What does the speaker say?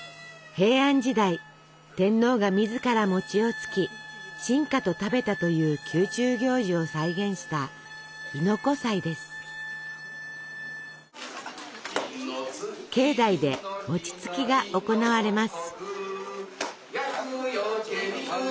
平安時代天皇が自らをつき臣下と食べたという宮中行事を再現した境内でつきが行われます。